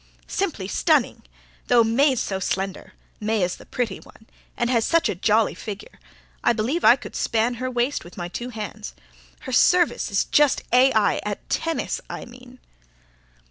"Simply stunning! Though May's so slender May's the pretty one and has such a jolly figure ... I believe I could span her waist with my two hands ... her service is just A1 at tennis I mean."